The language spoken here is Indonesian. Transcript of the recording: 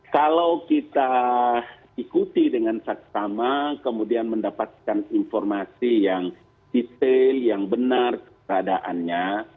kalau kita ikuti dengan saksama kemudian mendapatkan informasi yang detail yang benar keberadaannya